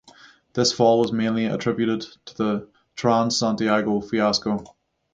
This fall was mainly attributed to the Transantiago fiasco.